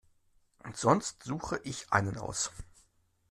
Sonst suche ich einen aus.